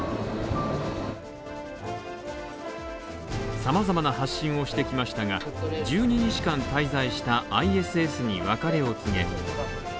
様々な発信をしてきましたが、１２日間滞在したＩＳＳに別れを告げ